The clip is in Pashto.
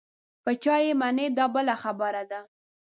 په چا یې منې دا بله خبره ده.